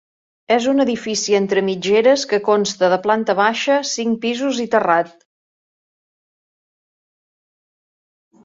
És un edifici entre mitgeres que consta de planta baixa, cinc pisos i terrat.